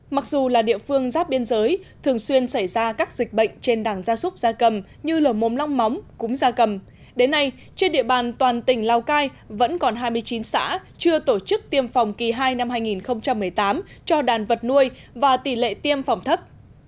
mặc dù là địa phương giáp biên giới thường xuyên xảy ra các dịch bệnh trên đàn gia súc gia cầm như lửa mồm long móng cúng gia cầm đến nay trên địa bàn toàn tỉnh lao cai vẫn còn hai mươi chín xã chưa tổ chức tiêm phòng kỳ hai năm hai nghìn một mươi tám cho đàn vật nuôi và tỷ lệ tiêm phòng thấp